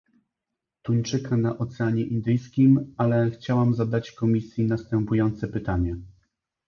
Tuńczyka na Oceanie Indyjskim , ale chciałam zadać Komisji następujące pytanie